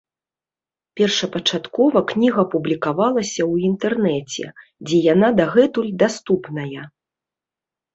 Першапачаткова кніга публікавалася ў інтэрнэце, дзе яна дагэтуль даступная.